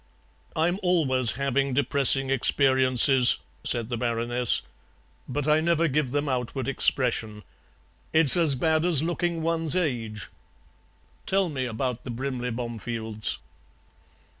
"I'm always having depressing experiences;" said the Baroness, "but I never give them outward expression. It's as bad as looking one's age. Tell me about the Brimley Bomefields."